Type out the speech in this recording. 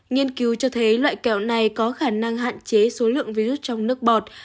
nghiên cứu cho thấy loại kẹo này có khả năng hạn chế số lượng virus trong nước bọt